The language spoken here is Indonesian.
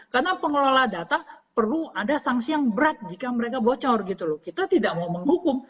karena pengelola data perlu ada sanksi yang berat jika mereka bocor kita tidak mau menghukum